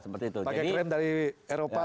pakai krim dari eropa